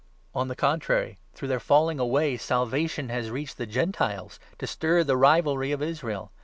On the contrary, through their falling away Salvation has reached the Gentiles, to stir the rivalry of Israel.